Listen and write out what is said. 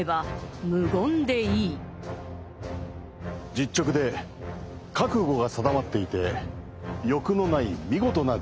実直で覚悟が定まっていて欲のない見事な人物。